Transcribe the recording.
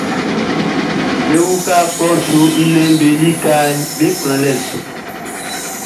Be uka klɔʼn su nnɛnʼm be likaʼm be kplanlɛʼn su.